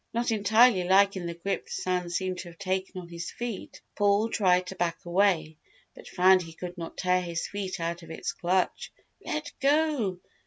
Not entirely liking the grip the sand seemed to have taken on his feet, Paul tried to back away but found he could not tear his feet out of its clutch. "Let go!